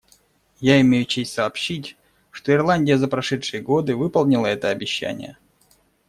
Я имею честь сообщить, что Ирландия за прошедшие годы выполнила это обещание.